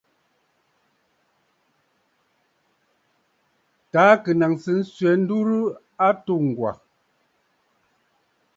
Taà kɨ naŋsə swɛ̌ ndurə a atû Ŋgwà.